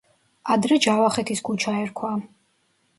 ადრე ჯავახეთის ქუჩა ერქვა.